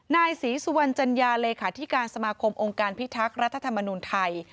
นายศรีสุวรรณจัญญาเลขาธิการสมาคมองค์การพิทักษ์รัฐธรรมนุนไทย